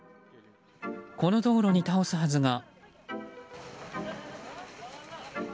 この道路に倒すはずが。